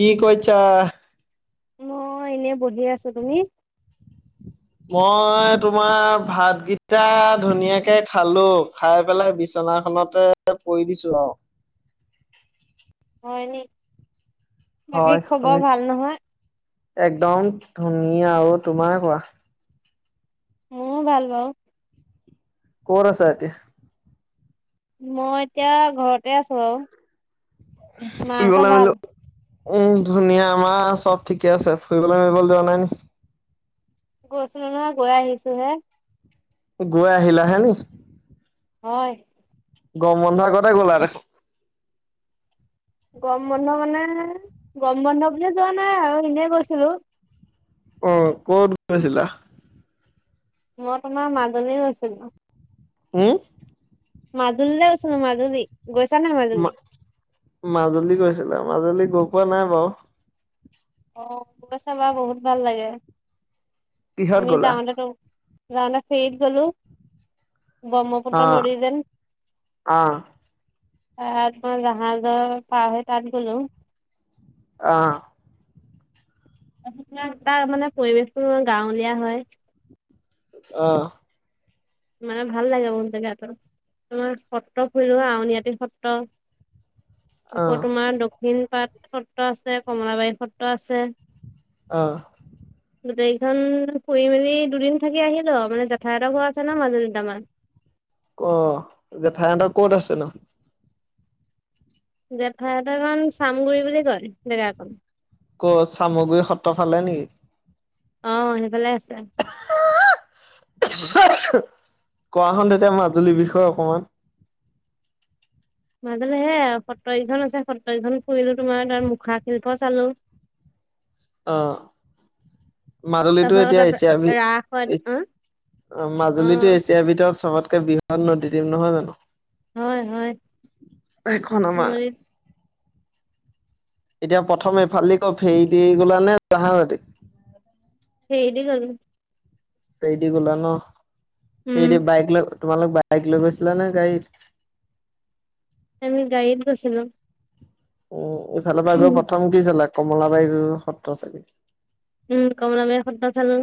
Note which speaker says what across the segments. Speaker 1: কি কৈছা।
Speaker 2: মই এনে বহি আছোঁ তুমি।
Speaker 1: মই তোমাৰৰ ভাতকিটা ধুনীয়াকে খালো, খাই পেলাই বিচনা চনা-খতে পৰি দিছোঁ ৰহ।
Speaker 2: হয়নেক
Speaker 1: হয় শুনি একদম ধনু ধুনীয়া অ' তোমাৰ কোৱা।
Speaker 2: মোৰো ভাল বৰু।
Speaker 1: ক'ত আছা এতিয়া
Speaker 2: মই এতিয়া ঘৰতে আছোঁ বাৰু।
Speaker 1: উহ শুই
Speaker 2: মাহঁতৰ
Speaker 1: গ'লা
Speaker 2: ভাল
Speaker 1: আলু। উম ধুনীয়া আমাৰ চ'ব ঠিকে আছে। ফুৰিবলৈ মোৰিবলৈ যোৱা নাই নেকি?
Speaker 2: গৈছিলোঁ নহয় গৈ আহিছোঁ হে।
Speaker 1: গৈ আহিলা হেনি।
Speaker 2: হয়।
Speaker 1: গৰম বন্ধৰ আগতে গ'লা দেখোন।
Speaker 2: গৰম বন্ধ মানে-এ গৰম বন্ধ বুলিয়েই যোৱা নাই আৰু এনেই গৈছিলোঁ।
Speaker 1: অ' ক'ত গৈছিলা।
Speaker 2: মই তোমাৰ মাজুলী এই গৈছিলোঁ।
Speaker 1: হুম
Speaker 2: মাদুলিলে গৈছিলো মাদুলী।
Speaker 1: মা-মাজুলী গৈছেল, মাজুলী গৈ পোৱা নাই বাৰু।
Speaker 2: অ' অ' গৈ চাবা বহুত ভাল লাগে।
Speaker 1: কিহত
Speaker 2: আমি
Speaker 1: গ'লা?
Speaker 2: যাওতে টো যাওতে ফেৰিত গলোঁ।
Speaker 1: অ
Speaker 2: ব্ৰহ্মপুত্ৰ নদী যেন
Speaker 1: অ
Speaker 2: তাত মই জাহাজৰ পাৰ হৈ তাত‌ গলোঁ।
Speaker 1: আহঁ
Speaker 2: তা-তাৰ মানে পৰিৱেশটোৰ গাঁৱলীয়া হয়।
Speaker 1: অহ
Speaker 2: মানে ভাল লাগে বহুত জেগাতো। আমাৰ সত্ৰ ফুৰিলোঁ আউনীআটী সত্ৰ। আকৌ
Speaker 1: অ',
Speaker 2: তোমাৰ দক্ষিণ পাট সত্ৰ আছে। কমলাবাৰী সত্ৰ আছে।
Speaker 1: আহঁ
Speaker 2: গোটেইখন ফুই মেলি দুদিন থাকি আহিলো অ' মানে জেঠায়ে হত ঘৰৰ আছে। চল মাজুলিৰ [unintelligible]
Speaker 1: অ' যে জেঠায়ে হত ক'ত আছে নো
Speaker 2: জেঠাইহতকন চামগুৰি বুলি কয় জেগাকন।
Speaker 1: ক' চামগুৰি সত্ৰ ফালে নেকি?
Speaker 2: আহ সেইফালে আছে।
Speaker 1: কোৱা হোন তেতিয়া মাজুলীৰ বিষয়ে অকমান।
Speaker 2: মাজুলিৰ হে সতৰকখন আছে সত্ৰখনৰ ফুৰিলো, তোমাৰ তাৰ মুখা শিল্প চালো [inaudible]
Speaker 1: অ'
Speaker 2: তাৰপিছত
Speaker 1: মাজুলীতো
Speaker 2: আকৌ
Speaker 1: এতিয়া
Speaker 2: তাত ৰাস হয় ন,
Speaker 1: এছিয়াৰ। অ' মাজুলীতো এছিয়াৰ ভিতৰত চবতকে বৃহৎ নদী দিপ নহয় জানো।
Speaker 2: হয়, হয়।
Speaker 1: এখন আমাৰ
Speaker 2: নদীত
Speaker 1: এতিয়া প্ৰথম এইফালে ক ফেৰি দি গলা নে জাহাজেদী
Speaker 2: ফেৰি দি গলো
Speaker 1: ফেৰিডি গলা ন
Speaker 2: উম
Speaker 1: ফেৰিদি বাইক ল তোমালোক বাইক লগৈ গৈছিলা নে গাড়ীত
Speaker 2: আমি গাৰিত গৈছিলোঁ
Speaker 1: উম ইফালৰ পৰা গৈ প্ৰথম কি চালে কমলাবাই গ সত্ৰ চাগে
Speaker 2: উম কমলাবাৰী সত্ৰ চালো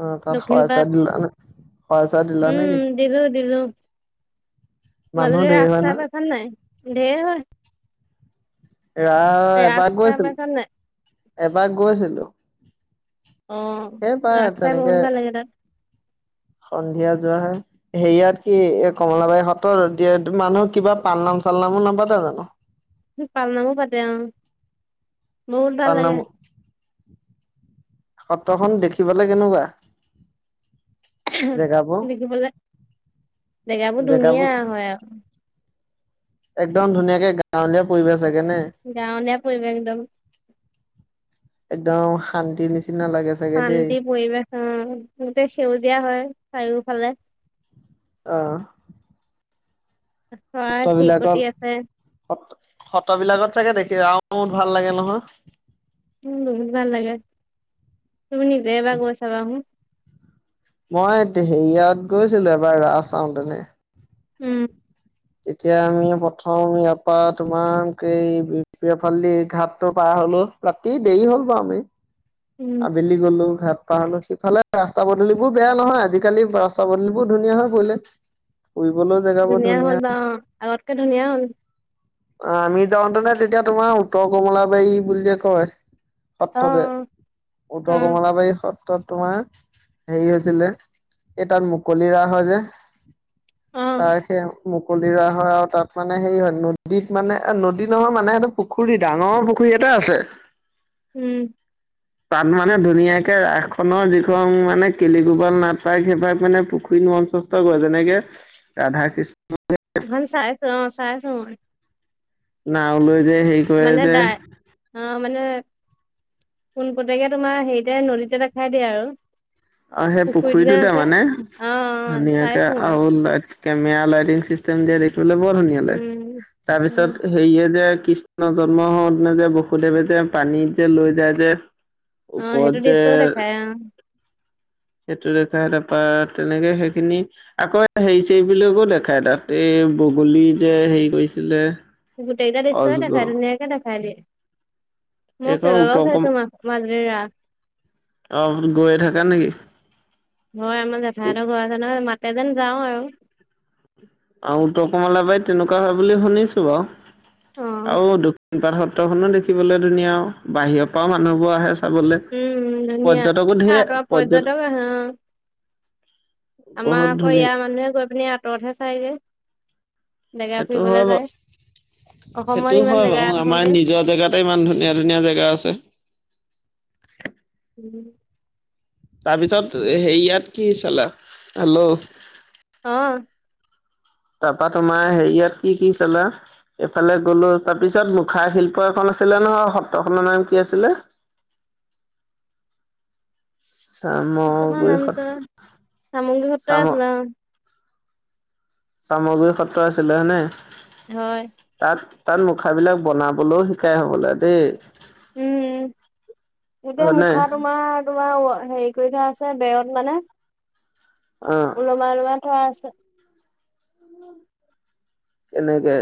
Speaker 1: অ' তাত সৰাই
Speaker 2: দক্ষিণপাট
Speaker 1: চৰাই দিলা নে নাই।
Speaker 2: উম, দিলো দিলো।
Speaker 1: মানুহ
Speaker 2: মাজুলি
Speaker 1: ধেৰ
Speaker 2: ৰাখ
Speaker 1: হয়
Speaker 2: চাই
Speaker 1: নহয়
Speaker 2: পাইছানে নাই ঢেয় হয়।
Speaker 1: ৰা
Speaker 2: ৰাস
Speaker 1: এবাৰ
Speaker 2: চাই
Speaker 1: গৈছিলো,
Speaker 2: পাইছা নাই
Speaker 1: এবাৰ গৈছিলো।
Speaker 2: অ'
Speaker 1: সেইবাৰ
Speaker 2: ৰাস চাই
Speaker 1: তেনেকে
Speaker 2: বহুত ভাল লাগে তাত।
Speaker 1: সন্ধিয়া যোৱাাহে হেৰিয়াত কি এ কমলাবাৰী সত্ৰ দ মানুহ কিবা পাম পালনাম চাল্লা নাম নো নাপতে জানো।
Speaker 2: পাল নামো পাতে অ বহুত ভাল লাগে
Speaker 1: শতখন দেখি পালে কেনেকুৱা জেগাবোৰ
Speaker 2: দেখিবলে জেগাবোৰ ধুনীয়া হয় আৰু
Speaker 1: একদম ধুনীয়াকে গাঁৱলীয়া পৰিৱেশ চাগে নে
Speaker 2: গাঁৱলীয়া পৰিৱেশ একদম
Speaker 1: একদম শান্তি নিচনা
Speaker 2: শান্তি পৰিৱেশ আহ গোটেই সেউজীয়া হয় চাৰিওফালে
Speaker 1: আহ
Speaker 2: চৰাই চিৰিকটি
Speaker 1: সত্ৰবিলাকত
Speaker 2: আছে
Speaker 1: সত সত্ৰবিলাকত চাগে দেখি ইয়াত ৰাস ভাল লাগে নহয়
Speaker 2: উ বহুত ভাল লাগে তুমি নিজে এবাৰ গৈ চাবা আহু
Speaker 1: মই হেৰীয়াত গৈছিলো এবাৰ ৰাস চাওতেনে
Speaker 2: উম
Speaker 1: তেতিয়া আমি প্ৰথম ইয়াৰ পৰা তোমাৰ এইফালি [unintelligible] ঘাটটো পাৰ লো ৰাতি দেৰি হ'ল বাৰু আমি
Speaker 2: উম
Speaker 1: আবেলি গলো ঘাট সিফালে ৰাস্তা পদূলিবোৰ বেয়া নহয় আজিকালি ৰাস্তা পদূলিবোৰ ধুনীয়া হয় গলে ফুৰিবলৈও জেগাবোৰ
Speaker 2: হ'ল বা
Speaker 1: ধুনীয়া
Speaker 2: অ', আগতকে ধুনীয়া হ'ল।
Speaker 1: আমি যাওঁতেনে তেতিয়া তোমাৰ উত্তৰ কমলাবাৰী বুলিয়ে কয় সত্ৰ যে
Speaker 2: অ',
Speaker 1: উত্তৰ
Speaker 2: অ',
Speaker 1: কমলাবাৰী সত্ৰ তোমাৰ হেৰি হৈছিলে এই তাত মুকলি ৰাস হয় যে
Speaker 2: অ',
Speaker 1: তাৰ সেই মুকলি ৰোৱা হয় আৰু তাত মানে সেই হয় ন নদীত মানে নদী নহয় মানে সটো পুখুৰী ডাঙৰ পুখুৰী এটা আছে
Speaker 2: উম
Speaker 1: তাত মানে ধুনীয়াকে ৰাস খনৰ যিখন মানে কেলিগোবল নাটায় সেইবাৰ মানে পুখুৰী মঞ্চস্থ কৰে যেনেকে ৰাধা কৃষ্ণ
Speaker 2: সেইখন চাইছোঁ অ চাইছো মই
Speaker 1: নাওলৈ
Speaker 2: মানে ড অ মানে কোনপতেকে তোমাৰ হেৰিতে নদীতে দেখাই দিয়ে আৰু
Speaker 1: অ সেই পুখুৰীটোতে মানে
Speaker 2: অ', অ',
Speaker 1: ধুনিয়াকে
Speaker 2: চাইছো মই
Speaker 1: আৰু ল কেমেৰা লাইটিং চিষ্টেম যে বোলে বৰ ধুনীয়া লাগ
Speaker 2: উম।
Speaker 1: তাৰ
Speaker 2: উম,
Speaker 1: পিছত হেৰিয়ে যে কৃষ্ণৰ জন্ম হওঁনে যে বসুদেৱে যে পানীত যে লৈ যায় যে
Speaker 2: অ', সেইটো
Speaker 1: উপৰত যে
Speaker 2: দৃশ্যও দেখাই অ',
Speaker 1: সেইটো দেখা তাৰপাত তেনেকে সেইখিনি আকৌ হেৰি চৰিব বুলিকো দেখাই তাত এই বগলী যে হেৰি কৰিছে আছিলে
Speaker 2: গোটেইটা দৃশ্যয় দেখাই। ধুনীয়াকৈ দেখাই দিয়ে। ম
Speaker 1: এইখন
Speaker 2: কেল ব
Speaker 1: উত্তৰ
Speaker 2: লগও
Speaker 1: কম
Speaker 2: খাইছো মাজৰিৰা [unintelligible]
Speaker 1: অ গৈয়ে থাকা নেকি
Speaker 2: হয় আমাৰ জেঠায়তৰ ঘৰ আছে নহয়, মাতে যেন যাওঁ আৰু।
Speaker 1: আহ উত্তৰ কমলা বাই তেনেকুৱা হয় বুলি শুনিছো বাৰু।
Speaker 2: অ',
Speaker 1: আৰু সপাত সত্ৰখননো দেখিবলৈ ধুনীয়া আৰু বাহিৰৰ পৰাও মানুহবোৰ আহে। চাবলৈ
Speaker 2: উম, ধুনীয়া।
Speaker 1: পৰ্যটকো ধেৰ,
Speaker 2: আঁতৰৰ
Speaker 1: পৰ্যট
Speaker 2: পৰ্যটক আহে অ'। আমাৰ আকৌ ইয়াৰ মানুহে গৈ পিনি আঁতৰতহে চাইগ যেগা
Speaker 1: সেইটো হয়
Speaker 2: ফুৰিবলৈ
Speaker 1: বাৰু
Speaker 2: যায় অসমত
Speaker 1: সেইটো
Speaker 2: ইমান
Speaker 1: হয়
Speaker 2: জেগা
Speaker 1: বাৰু
Speaker 2: থাকোতে
Speaker 1: আমাৰ নিজৰ জেগাতে ইমান ধুনীয়া ধুনীয়া জেগা আছে
Speaker 2: উম
Speaker 1: তাৰপিছত হে ইয়াত কি চালা হল'
Speaker 2: আহ
Speaker 1: তাৰপা তোমাৰ হেৰিয়াত কি কি চলা এইফালে গ'লো তাৰপিছত মুখাৰ শিল্প এখন আছিলে নহ, সত্ৰখনৰ নাম কি আছিলে?
Speaker 2: [unintelligible] সত্ৰখনৰ
Speaker 1: চামগুৰি
Speaker 2: নামটো
Speaker 1: সত্ৰ
Speaker 2: চামগ্ৰী সত্ৰই আছিল।
Speaker 1: চামগু সত্ৰ আছিলে হেনে।
Speaker 2: হয়।
Speaker 1: তাত মুখাবিলাক বনাবলৈও শিকাই হবলৈ দেই।
Speaker 2: উম। এতিয়া
Speaker 1: হয়নে?
Speaker 2: মুখা তোমাৰ-তোমাৰ হেৰি কৰি থোৱা আছে, বেয়ৰত মানে
Speaker 1: অ'
Speaker 2: ওলমাই ওলমাই থোৱা আছে।
Speaker 1: এনেকে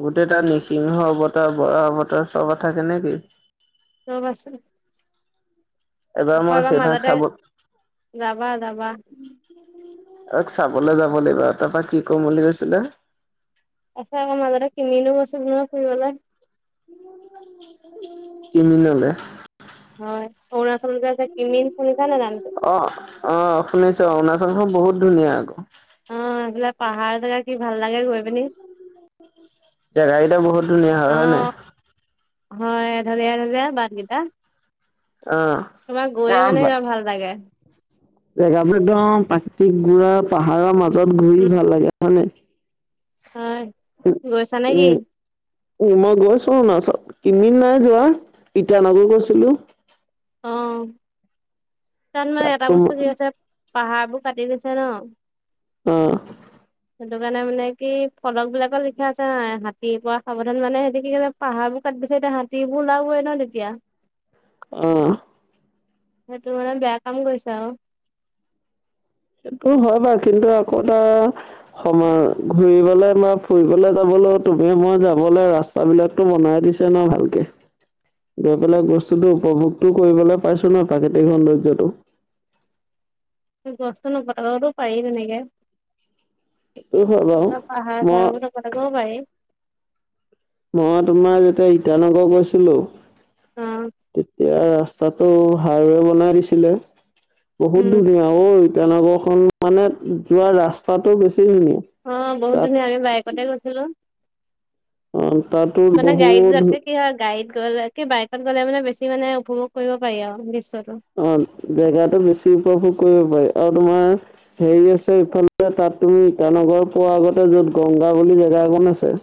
Speaker 1: গোটেই তটা নিৃসিংহ বতৰ বৰা বতৰ চব থাকে নেকি [unintelligible]
Speaker 2: চব আছে আকৌ
Speaker 1: মই
Speaker 2: এবাৰ
Speaker 1: সেইভাগ
Speaker 2: মাজতে
Speaker 1: চাব
Speaker 2: যাবা-যাবা।
Speaker 1: অ চাবলে যাব লাগিব। তাৰপৰা কি কম বুলি কৈছিলে?
Speaker 2: আছে হ মাজাৰ কি মিননো বচল ন পবল [unintelligible]
Speaker 1: কিনিললে
Speaker 2: হয় অৰুণাচল কি [unintelligible]
Speaker 1: অ অ শুনিছো। অৰুণাচলখন বহুত ধুনীয়া আকৌ।
Speaker 2: অ এইফিলে পাহাৰ জেগা কি ভাল লাগে গৈ পিনি।
Speaker 1: জেগা কেইটা বহুত ধুনীয়া হয়।
Speaker 2: অ
Speaker 1: হয় নে নাই?
Speaker 2: হয়। এ হাজাৰ এ হাজাৰ বাদকেইটা [unintelligible]
Speaker 1: অ'।
Speaker 2: তোমাৰ গৈয়ে
Speaker 1: পুৰা
Speaker 2: মানে
Speaker 1: বা
Speaker 2: কিবা ভাল লাগে।
Speaker 1: জেগাবোৰ একদম প্ৰাকৃতিক গুৰৰ পাহাৰৰ মাজত ঘূৰি
Speaker 2: উম
Speaker 1: ভাল লাগে। হয় নে?
Speaker 2: হয়
Speaker 1: উ
Speaker 2: গৈছা নে
Speaker 1: উম
Speaker 2: কি
Speaker 1: উম মই গৈছো নাচত কিন্মি নাই যোৱা। ইটানগৰ গৈ।
Speaker 2: অ তাৰমানে
Speaker 1: তাত
Speaker 2: এটা
Speaker 1: তোম
Speaker 2: বস্তু সিহঁতে পাহাৰবোৰ কাটি দিছে ন,
Speaker 1: অ।
Speaker 2: সেইটো কাৰণে মানে কি ফলক বিলাকৰ লিখা আছে নাই হাতীৰ পৰা সাৱধান মানে সিহতে কি ক পাহাৰোৰ ক দিছে এতি হাতী এইবোৰ ওলাবই ন তেতিয়া।
Speaker 1: আহ
Speaker 2: সেইটোৱে বেয়া কাম কৰিছা আৰু।
Speaker 1: সেইটো হয় বাৰু কিন্তু আকৌ এবাৰ সময় ঘুৰিবলৈ বা ফুৰিবলৈ যাব ল তুমি মই যাবলৈ ৰাস্তাবিলাকতো বনাই দিছে ন ভালকে। গৈ পেলাই বস্তুটো উপভোগতটো কৰিবলৈ পাইছো ন, প্ৰাকৃতিক সৌন্দৰ্যটো।
Speaker 2: গছটো নকটাকো পাৰি তেনেকে।
Speaker 1: সেইটো হয় বাৰু।
Speaker 2: ন পাহা
Speaker 1: মই
Speaker 2: চব ন মান গ পাই [unintelligible]
Speaker 1: মই তোমাৰ যেতিয়া ইটানগৰ গৈছিলো।
Speaker 2: অ
Speaker 1: তেতিয়া ৰাস্তাতটো হাইৱে বনাই দিছিলে, বহুত
Speaker 2: উম
Speaker 1: ধুনীয়া অই! তেনেকুৱা খন মানে যোৱা ৰাস্তাতটো বেছি ধুনীয়া
Speaker 2: অ বহুত
Speaker 1: তাত
Speaker 2: ধুনীয়া আমি বাইকতে গৈছিলো।
Speaker 1: অ' তাতো
Speaker 2: মানে গাৰিত
Speaker 1: বহুত
Speaker 2: ঘুৰতকে কি হা গাইড গ বাই তাত গ'লে মানে বেছি মানে উপভোগ কৰিব পাৰি আৰু। দৃশ্যটো
Speaker 1: অ জেগাটো বেছি উপভোগ কৰিব পাৰি। আৰু তোমাৰ হেৰি আছে, ইফালে তাত তুমি ইটানগৰ পোৱাৰ আগতে য'ত গংগা বুলি জাগা জাগ অকন আছে।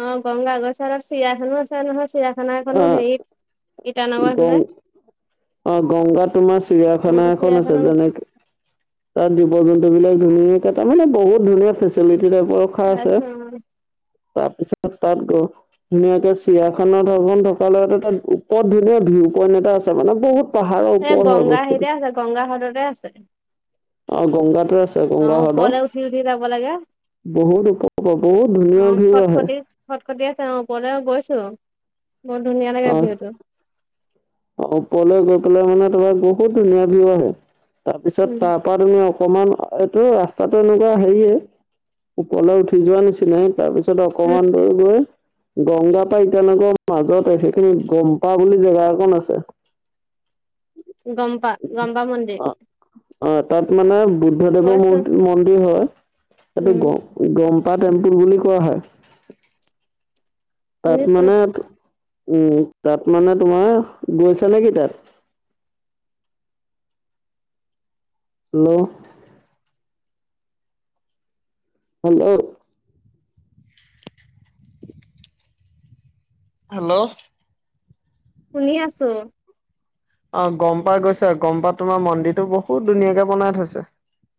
Speaker 2: অ গংগা গছ আৰু চিৰিয়াখানো আছে নহয়, চিৰিয়াখানা এখনো
Speaker 1: আহ
Speaker 2: হেৰিত ইটানগৰ
Speaker 1: গং
Speaker 2: ফালে
Speaker 1: অ গংগা তোমাৰ
Speaker 2: উম
Speaker 1: চিৰিয়াখানা এখন আছে।
Speaker 2: চিৰিয়াখানা
Speaker 1: যেনেকে তাৰ দিপৰ বিল বিলাক ধুনীয়াকে তাৰ মানে বহুত ধুনীয়া ফেচিলিটি টাইপৰ ৰখা আছে।
Speaker 2: চাইছো অ
Speaker 1: তাৰ পিছত তাত গ ধুনীয়াকে চিয়াখানাৰ ধন থকা [unintelligible] ধুনীয়া ভিউ পইণ্ট এটা আছে। মানে বহুত পাহাৰৰ
Speaker 2: সে
Speaker 1: ওপৰত হয়
Speaker 2: গংগা
Speaker 1: বস্তুটো
Speaker 2: হিতে আছে গংগা ঘাততে আছে।
Speaker 1: অ গংগাটোৰ আ
Speaker 2: অ উপৰলে উঠি উঠি যাব লাগে।
Speaker 1: বহুত বহুত
Speaker 2: অ
Speaker 1: ধুনীয়া ধুনীয়া ভিউ
Speaker 2: খট
Speaker 1: আহে।
Speaker 2: খটি [unintelligible] আছে অ ওপলেও গৈছো বৰ ধুনীয়া লাগে
Speaker 1: আহ
Speaker 2: ভিওটো
Speaker 1: ওপৰলৈ গৈ পেলাই মানে তোমাৰ বহুত ধুনীয়া বিউ আহে। তাৰপিছত
Speaker 2: উম
Speaker 1: তাৰ পৰা তুমি অকমান এইটো ৰাস্তাতটো এনেকুৱা হেৰিয়ে ওপৰলে উঠি যোৱা নিচিনাই, তাৰপিছত পাছত অকণমান
Speaker 2: উম
Speaker 1: গৈ গংগা পাই ইতানগৰ মাজত আছে দেই গম্পা বুলি জেগা এখন আছে।
Speaker 2: গম্পা, গম্পামন্দিৰ
Speaker 1: অ অ তাত মানে বুদ্ধদেৱৰ ম মন্দিৰ হয়। এইটো
Speaker 2: উম
Speaker 1: গম গম পা টেম্পুল বুলি কোৱা হয়। তাত
Speaker 2: শুনিছো
Speaker 1: মানে উম। তাত মানে তোমাৰ, গৈছা নেকি তাত? হেল্ল' হেল্ল' হেল্ল'
Speaker 2: শুনি আছো।
Speaker 1: অ গম পাই গৈছা? গম্পা তোমাৰ মন্দিৰটো বহুত ধুনীয়াকে বনাই থৈছে।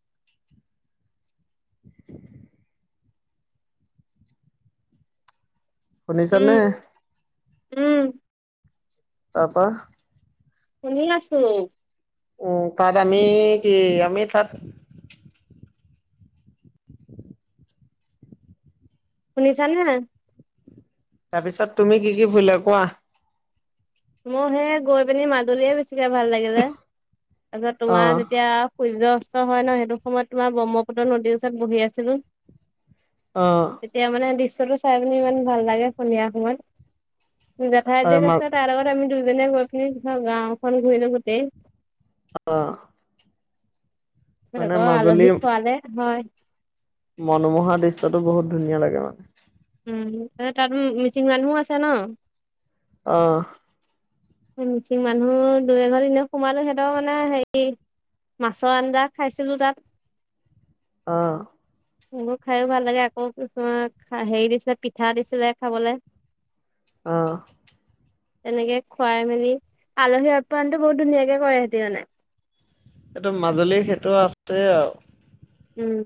Speaker 2: [unintelligible]
Speaker 1: শুনিছা
Speaker 2: উম
Speaker 1: নে?
Speaker 2: উম
Speaker 1: তাৰপা
Speaker 2: শুনি আছো।
Speaker 1: উম তাত আমি কি, আমি তাত
Speaker 2: শুনিছানে?
Speaker 1: তাৰপিছত তুমি কি কি ফুৰিলা কোৱা?
Speaker 2: মই সে গৈ পিনি মাজুলীয়ে বেছি ভাল লাগিলে। তাৰ পিছত
Speaker 1: অ
Speaker 2: তোমাৰ যেতিয়া সূৰ্যত হয় ন সেইটো সময়ত তোমাৰ ব্ৰহ্মপুত্ৰ নদীৰ ওচৰত বহি আছিলো।
Speaker 1: অ
Speaker 2: তেতিয়া মানে দৃশ্যটো চাই পি ইমান ভাল লাগে সন্ধিয়া সময়ত। জেঠাই
Speaker 1: আৰু
Speaker 2: জেক
Speaker 1: মা
Speaker 2: আছে তাৰ আগত আমি দুজনে গৈ পিনি ধ গাওখন ঘূৰিলো গোতেই,
Speaker 1: অ মানে
Speaker 2: আকৌ
Speaker 1: মাজুলী
Speaker 2: আলহীক খোৱালে। হয়।
Speaker 1: মনোমোহা দৃশ্যটো বহুত ধুনীয়া লাগে মানে।
Speaker 2: উম তাত মিচিং মানুহো আছে ন,
Speaker 1: অঁ
Speaker 2: মিচিং মানুহ দুই এঘৰত এনে সোমালো সিহঁতৰ মানে হেৰি মাছৰ আঞ্জা খাইছিলো তাত
Speaker 1: অঁ
Speaker 2: সেইবোৰ খায়ো ভাল লাগে আকৌ কিছুমান হেৰি দিছিলে পিঠা দিছিলে খাবলৈ
Speaker 1: অঁ
Speaker 2: তেনেকে খুৱাই মেলি আলহী আপ্যায়নতটো বহুত ধুনীয়াকে কৰে সিহঁতে মানে
Speaker 1: এইটো মাজুলীৰ সেইটো আছে আৰু
Speaker 2: উম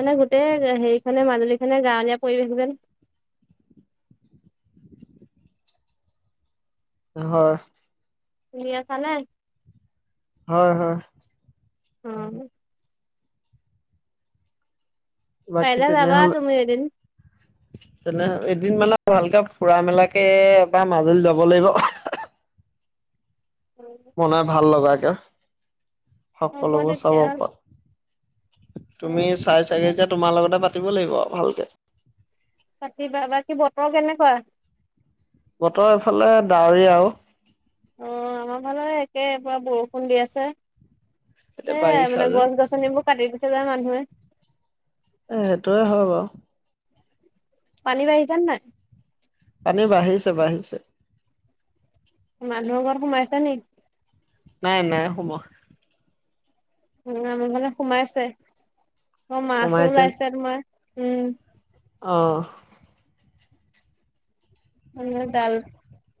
Speaker 2: মানে গোটেই হেৰিখনে মাজুলী খনে গাঁৱলীয়া পৰিৱেশ যেন, [unintelligible]
Speaker 1: হয়।
Speaker 2: [unintelligible]
Speaker 1: হয় হয়
Speaker 2: অ
Speaker 1: বাকী
Speaker 2: পাৰিলে যাবা,
Speaker 1: তেনেহ'লে
Speaker 2: তুমি এদিন।
Speaker 1: তেনে এদিন মানে ভালকে ফুৰা মেলাকে এবাৰ মাজুলী যাব লাগিব বনাই ভাল লগাকে
Speaker 2: হ'ব
Speaker 1: সকলোবোৰ চাব
Speaker 2: তেতিয়া
Speaker 1: পাত তুমি চাই চাগে এতিয়া তোমাৰ লগতে পাতিব লাগিব আৰু ভালকে
Speaker 2: পতিবা বাকি বতৰ কেনেকুৱা
Speaker 1: বতৰ এইফালে ডাৱৰীয়া আৰু
Speaker 2: অঁ আমাৰ ফালে একে পুৰা বৰষুণ দি আছে
Speaker 1: এতিয়া
Speaker 2: সেয়িই
Speaker 1: বাৰিষা
Speaker 2: মানে
Speaker 1: যে।
Speaker 2: গছ গছনিবোৰ কাটি দিছে যে মানুহে
Speaker 1: এ সেইটোয়ে হয় বাৰু
Speaker 2: পানী বাঢ়িছে নাই
Speaker 1: এনে বাঢ়িছে বাঢ়িছে
Speaker 2: মানুহৰ ঘৰত সোমাইছে নেকি
Speaker 1: নাই নাই সোমোৱা
Speaker 2: উম আমাৰ মানে সোমাইছে অঁ মাছো
Speaker 1: সোমাইছে
Speaker 2: ওলাইছে তোমাৰ উম
Speaker 1: অঁ
Speaker 2: [unintelligible]